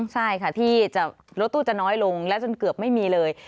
ใช่ค่ะที่รถตู้จะน้อยลงและจนเกือบไม่มีเลย